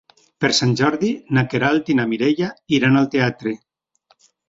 Per Sant Jordi na Queralt i na Mireia iran al teatre.